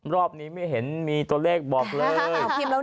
รอบนี้ไม่เห็นมีตัวเลขบอกเลย